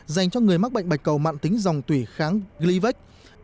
dành cho người mắc bệnh bạch cầu mạng tính dòng tủy kháng glyvex